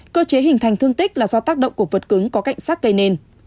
cơ chế hình thành thương tích là do tác động của vật cứng có cảnh sát gây nên